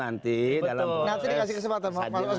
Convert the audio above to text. nanti dikasih kesempatan